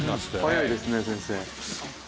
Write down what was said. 早いですね先生。